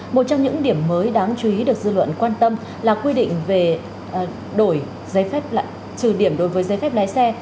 một trong những điểm mới đáng chú ý được dư luận quan tâm là quy định về đổi giấy phép lận trừ điểm đối với giấy phép lái xe